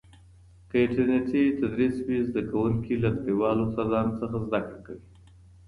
که انټرنېټي تدریس وي، زده کوونکي له نړیوالو استادانو زده کړه کوي.